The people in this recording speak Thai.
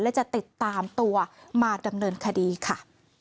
และจะติดตามตัวมาดำเนินคดีค่ะ